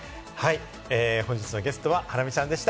本日のゲストはハラミちゃんでした。